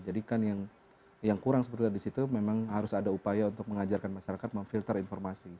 jadi kan yang kurang sebetulnya disitu memang harus ada upaya untuk mengajarkan masyarakat memfilter informasi